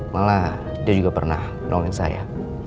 malah dia juga pernah nongkin saya